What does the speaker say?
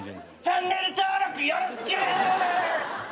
チャンネル登録よろしく！